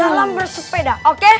dalam bersepeda oke